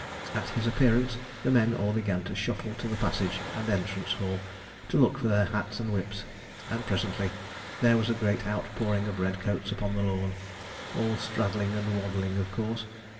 At his appearance the men all began to shuffle to the passage and entrance hall, to look for their hats and whips; and presently there was a great outpouring of red coats upon the lawn, all straddling and waddling of course.